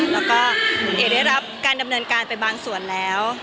แล้วก็เอได้รับการดำเนินการไปบางส่วนแล้ว